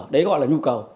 đấy gọi là nhu cầu